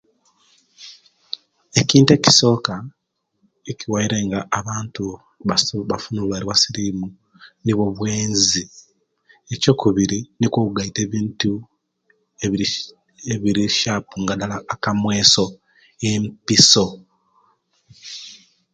Ekintu ekisoka ekiwaire nga abantu n bafuna obulwaire obwa sirimu nibwo obwenzi ne kyookubiri nikwo okugaita ebintu ebiri sharp nga dala akamweso, empiso